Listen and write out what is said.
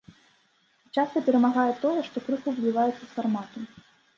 І часта перамагае тое, што крыху выбіваецца з фармату.